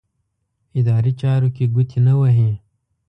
اداري چارو کې ګوتې نه وهي.